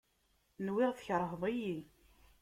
Nwiɣ tkerheḍ-iyi.